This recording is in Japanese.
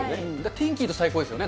天気いいと最高ですよね。